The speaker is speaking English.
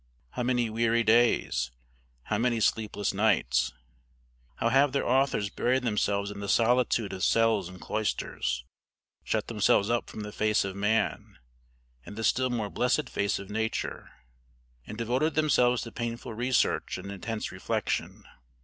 how many weary days! how many sleepless nights! How have their authors buried themselves in the solitude of cells and cloisters, shut themselves up from the face of man, and the still more blessed face of Nature; and devoted themselves to painful research and intense reflection!